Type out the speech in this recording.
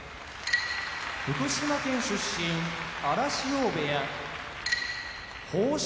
福島県出身荒汐部屋豊昇